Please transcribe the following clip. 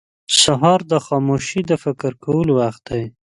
• د سهار خاموشي د فکر کولو وخت دی.